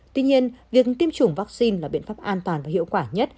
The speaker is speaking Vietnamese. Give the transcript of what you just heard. tuy nhiên việc tiêm chủng vaccine là biện pháp an toàn và hiệu quả nhất